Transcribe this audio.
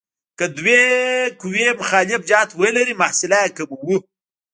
که دوه قوې مخالف جهت ولري محصله یې کموو.